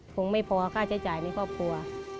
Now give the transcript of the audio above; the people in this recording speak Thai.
คงไม่พอค่าใช้จ่ายในครอบครัว